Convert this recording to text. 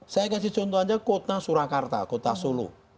saya kasih contoh aja kota surakarta kota solo